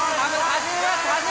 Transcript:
始めます！